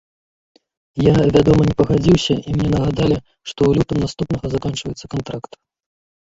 Я, вядома не пагадзіўся, і мне нагадалі, што ў лютым наступнага заканчваецца кантракт.